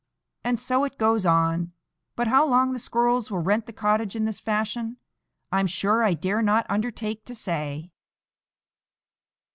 And so it goes on; but how long the squirrels will rent the cottage in this fashion, I'm sure I dare not undertake to say.